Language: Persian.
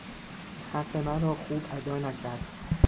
حق مرا خوب ادا نکرد.